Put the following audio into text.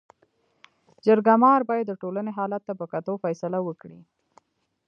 جرګه مار باید د ټولني حالت ته په کتو فيصله وکړي.